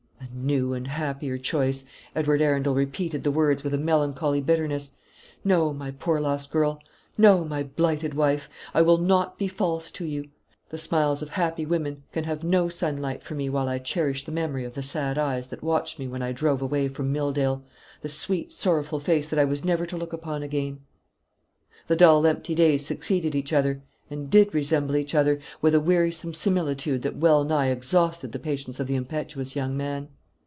"A new and happier choice!" Edward Arundel repeated the words with a melancholy bitterness. "No, my poor lost girl; no, my blighted wife; I will not be false to you. The smiles of happy women can have no sunlight for me while I cherish the memory of the sad eyes that watched me when I drove away from Milldale, the sweet sorrowful face that I was never to look upon again." The dull empty days succeeded each other, and did resemble each other, with a wearisome similitude that well nigh exhausted the patience of the impetuous young man.